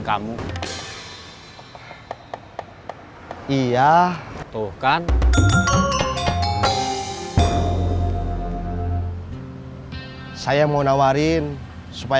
kamu anggul kedua gila